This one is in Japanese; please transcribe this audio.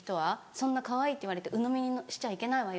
そんなかわいいって言われてうのみにしちゃいけないわよ。